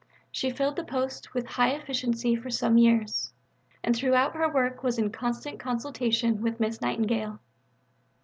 She filled the post with high efficiency for some years, and throughout her work was in constant consultation with Miss Nightingale.